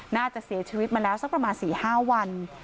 น่าจะเสียชีวิตมาแล้วสักประมาณ๔๕วัน